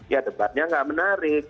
ya debatnya nggak menarik